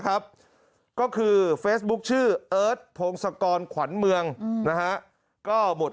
ก็คือเฟซบุ๊คชื่อเอิร์ทพงศกรขวัญเมืองนะฮะก็หมด